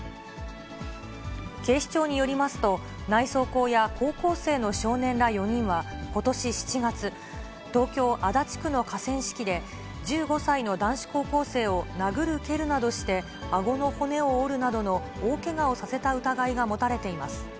警視庁によりますと、内装工や高校生の少年ら４人は、ことし７月、東京・足立区の河川敷で１５歳の男子高校生を殴る蹴るなどして、あごの骨を折るなどの大けがをさせた疑いが持たれています。